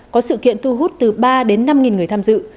có sự kiện tu hút từ ba đến năm nghìn người tham dự